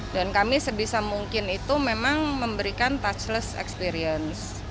dan kami sebisa mungkin itu memang memberikan touchless experience